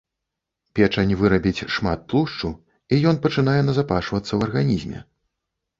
Печань вырабіць шмат тлушчу і ён пачынае назапашвацца ў арганізме.